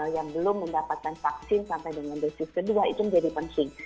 yang belum mendapatkan vaksin sampai dengan dosis kedua itu menjadi penting